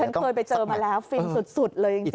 ดีฉันเคยไปเจอมาแล้วฟินสุดเลยจริงค่ะ